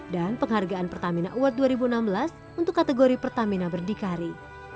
dan penghargaan pertamina award dua ribu enam belas untuk kategori pertamina berdikari